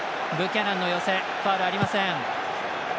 ブキャナンの寄せファウルありません。